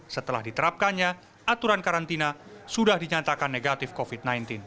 setelah diterapkannya aturan karantina sudah dinyatakan negatif covid sembilan belas